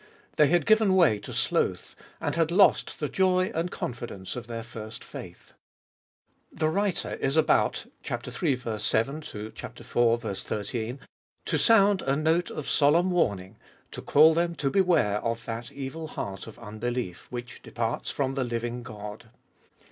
They had given way to sloth, and had lost the joy and confidence of their first faith. The writer is about (iii. 7~iv. 13.) to sound a note of solemn warning, to call them to beware of that evil heart of unbelief, which departs from the living God.